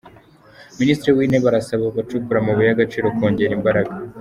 Minisitiri w’Intebe arasaba abacukura amabuye y’agaciro kongera imbaraga